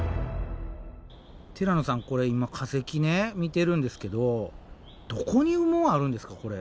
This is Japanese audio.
ティラノさんこれ今化石見てるんですけどどこに羽毛あるんですかこれ。